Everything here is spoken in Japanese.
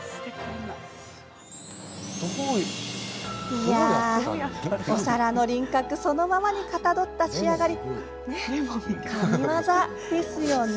いやあお皿の輪郭そのままにかたどった仕上がり神業ですよね。